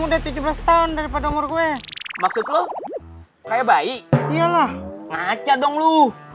udah tujuh belas tahun daripada umur gue maksud lo kayak bayi iyalah ngaca dong lu